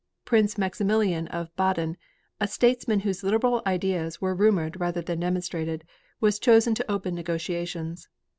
Prince Maximilian of Baden, a statesman whose liberal ideas were rumored rather than demonstrated, was chosen to open negotiations.